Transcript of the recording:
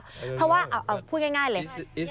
คนนี้อยู่แล้วเพราะว่าพูดง่ายเลย